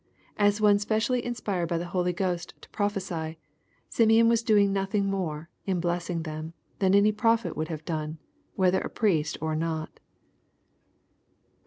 As one specially in spired by the Holy Ghost to prophesy, Simeon was doing nothing more, in blessing them, than any prophet would have done, whether a priest or not •36.